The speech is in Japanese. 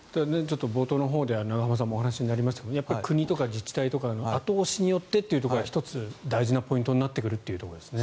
冒頭のほうで永濱さんのお話にもありましたが国とか自治体とかの後押しによってというのが１つ、大事なポイントになってくるということですね。